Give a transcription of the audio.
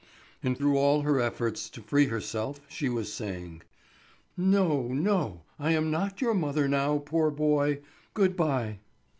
And through all her efforts to free herself she was saying: "No, no. I am not your mother now, poor boy—good bye."